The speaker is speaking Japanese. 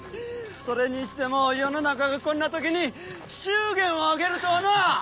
それにしても世の中がこんな時に祝言を挙げるとはなぁ。